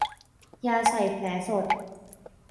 ยาใส่แผลสด